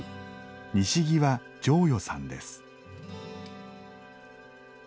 西際重誉さんです。